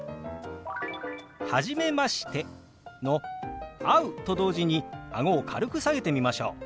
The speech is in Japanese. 「初めまして」の「会う」と同時にあごを軽く下げてみましょう。